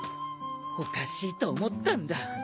おかしいと思ったんだ。